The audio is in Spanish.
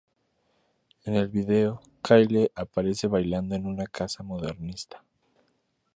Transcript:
En el video Kylie aparece bailando en una casa modernista.